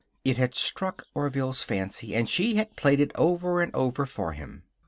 It had struck Orville's fancy, and she had played it over and over for him.